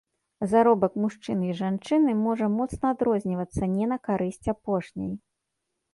Заробак мужчыны і жанчыны можа моцна адрознівацца не на карысць апошняй.